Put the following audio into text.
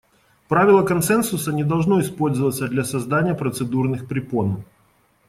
Правило консенсуса не должно использоваться для создания процедурных препон.